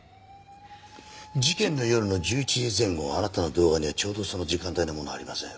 事件の夜の１１時前後あなたの動画にはちょうどその時間帯のものがありません。